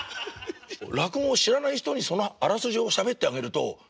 落語を知らない人にそのあらすじをしゃべってあげると「で？